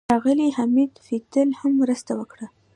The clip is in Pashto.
ښاغلي حمید فیدل هم مرسته وکړه.